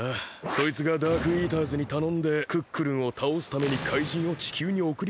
そいつがダークイーターズにたのんでクックルンをたおすために怪人を地球におくりこんでるわけだ。